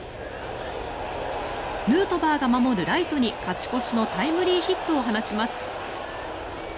ヌートバーが守るライトに勝ち越しのタイムリーヒットを放ちます。